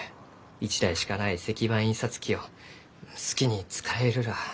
一台しかない石版印刷機を好きに使えるらあ。